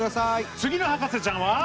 次の博士ちゃんは。